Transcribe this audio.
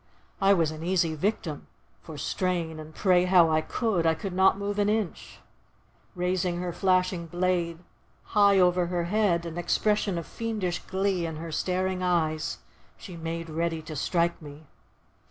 I was an easy victim, for strain and pray how I would, I could not move an inch. Raising her flashing blade high over her head, an expression of fiendish glee in her staring eyes, she made ready to strike me.